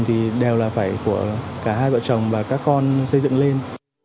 thì đều là phải của cả hai vợ chồng và các con xây dựng lên